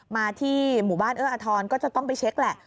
มาที่หมู่บ้านเอื้ออทรก็จะต้องไปเช็คแหละ